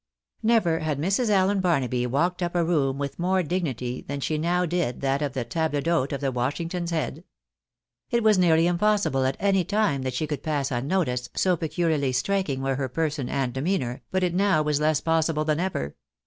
Never had Mrs. Allen Barnaby walked up a room with more dignity than she now did that of the table dliote of the Washing ton's Head. It was nearly impossible at any time that she could pass unnoticed, so peculiarly striking were her person and demeanour, but it now was less possible than ever.